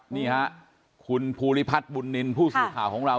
นี่ฮะคุณภูริพัฒน์บุญนินทร์ผู้สื่อข่าวของเรา